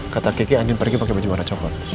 kata kiki angin pergi pakai baju warna coklat